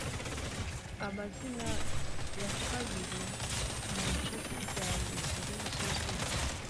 amazina ya babiri mu nshuti zawe ebyiri zubwenge